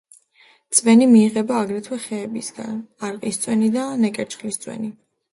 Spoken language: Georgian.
წვენი მიიღება აგრეთვე ხეებისგან: არყის წვენი და ნეკერჩხლის წვენი.